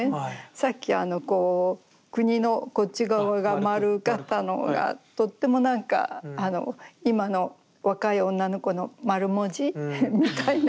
さっきあのこう「国」のこっち側が丸かったのがとってもなんか今の若い女の子の丸文字みたいな感じ。